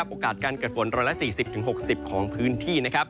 โอกาสการเกิดฝน๑๔๐๖๐ของพื้นที่